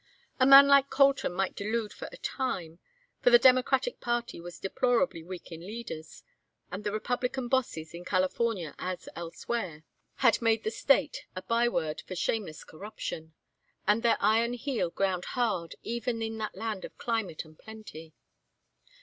A man like Colton might delude for a time, for the Democratic party was deplorably weak in leaders, and the Republican bosses, in California, as elsewhere, had made the State a byword for shameless corruption; and their iron heel ground hard even in that land of climate and plenty.